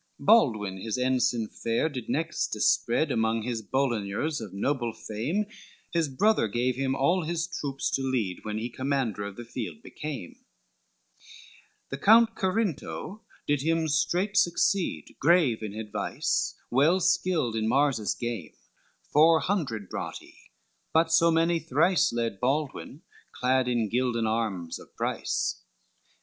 XL Baldwin, his ensign fair, did next dispread Among his Bulloigners of noble fame, His brother gave him all his troops to lead, When he commander of the field became; The Count Carinto did him straight succeed, Grave in advice, well skilled in Mars his game, Four hundred brought he, but so many thrice Led Baldwin, clad in gilden arms of price.